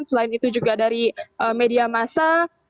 selain itu juga dari media massa